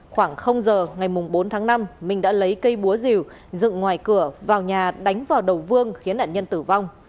khoảng giờ ngày bốn tháng năm minh đã lấy cây búa rìu dựng ngoài cửa vào nhà đánh vào đầu vương khiến nạn nhân tử vong